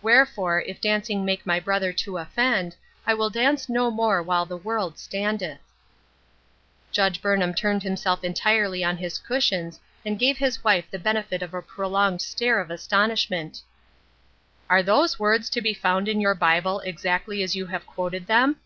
Wherefore, if dancing make my brother to offend, I will dance no more while the world standeth.' " Judge Burnham turned himself entirely on his cushions, and gave his wife the benefit of a pro longed stare of astonishment. " Are those words to be found in your Bible exactly as you have quoted them